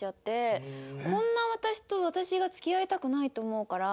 こんな私と私が付き合いたくないと思うから。